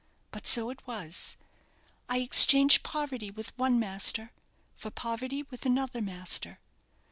But so it was. I exchanged poverty with one master for poverty with another master.